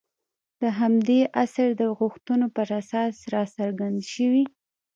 د همدې عصر د غوښتنو پر اساس راڅرګند شوي.